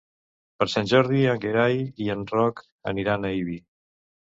Per Sant Jordi en Gerai i en Roc aniran a Ibi.